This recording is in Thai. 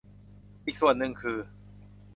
อีกส่วนหนึ่งคือ